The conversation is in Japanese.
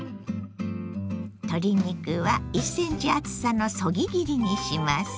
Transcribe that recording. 鶏肉は１ｃｍ厚さのそぎ切りにします。